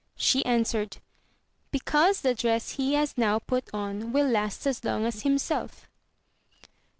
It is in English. She answered, Because the dress he has now put on will last as long as himself.